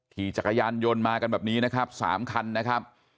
ขี่จักรยานยนต์มากันแบบนี้นะครับ๓คันนะครับ